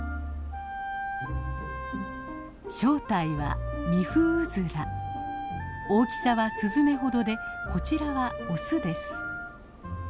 正体は大きさはスズメほどでこちらはオスです。